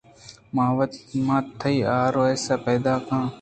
ما تئی آروس ءَ پیداک ءَ ایں۔